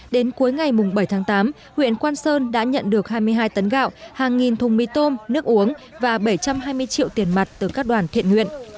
đến cuối ngày bảy tháng tám huyện quang sơn đã nhận được hai mươi hai tấn gạo hàng nghìn thùng mì tôm nước uống và bảy trăm hai mươi triệu tiền mặt từ các đoàn thiện nguyện